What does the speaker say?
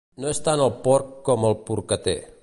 No és tant el porc com el porcater.